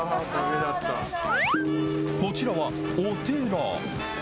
こちらはお寺。